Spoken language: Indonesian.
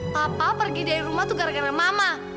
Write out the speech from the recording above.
papa pergi dari rumah itu gara gara mama